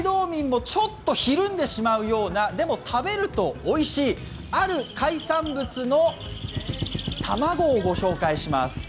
民もちょっとひるんでしまうような、でも、食べるとおいしい、ある海産物の卵をご紹介します。